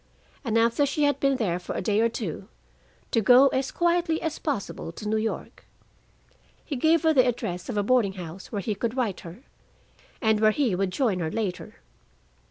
And after she had been there for a day or two, to go as quietly as possible to New York. He gave her the address of a boarding house where he could write her, and where he would join her later.